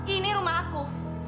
ini rumah aku